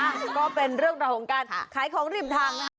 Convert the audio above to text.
อ้าวก็เป็นเรื่องของการขายของริมทางนะ